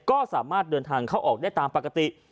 ก็สามารถเดินทางเข้าออกได้ตามปกติ